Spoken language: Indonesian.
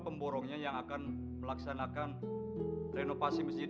pemborongnya yang akan melaksanakan renovasi masjid